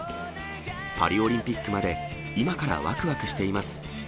パリオリンピックまで今からわくわくしています。